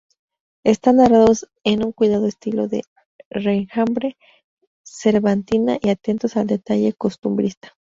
Están narrados en un cuidado estilo de raigambre cervantina y atentos al detalle costumbrista.